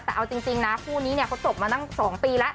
แต่เอาจริงนะคู่นี้เนี่ยเขาจบมาตั้ง๒ปีแล้ว